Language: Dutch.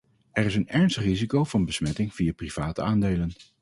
Er is een ernstig risico van besmetting via private aandelen.